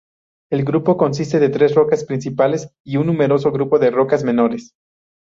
El Grupo consiste de tres rocas principales y un numeroso grupo de rocas menores.